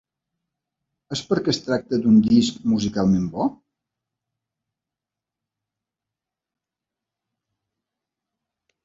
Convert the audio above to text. És perquè es tracta d’un disc musicalment bo?